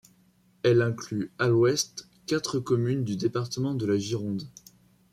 Elle inclut à l'ouest quatre communes du département de la Gironde.